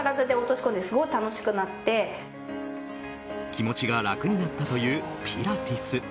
気持ちが楽になったというピラティス。